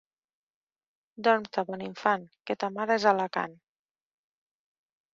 Dorm-te, bon infant, que ta mare és a Alacant.